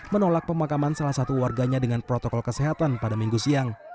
menolak pemakaman salah satu warganya dengan protokol kesehatan pada minggu siang